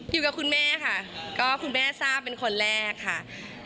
อยู่กับคุณแม่ค่ะก็คุณแม่ทราบเป็นคนแรกค่ะ